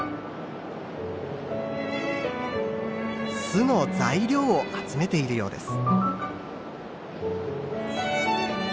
巣の材料を集めているようです。